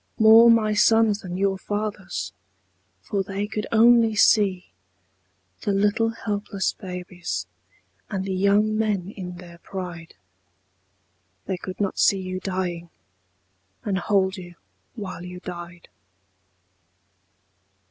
More my sons than your fathers'. For they could only see The little helpless babies And the young men in their pride. They could not see you dying. And hold you while you died.